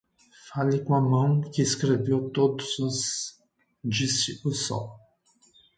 "Fale com a mão que escreveu todos os?" disse o sol.